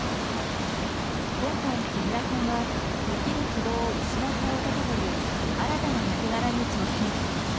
今回、木村さんは生きる希望を失った男という新たな役柄に挑戦。